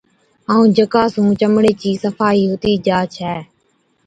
ائُون جڪا سُون چمڙِي چِي صفائِي هُتِي جا ڇَي۔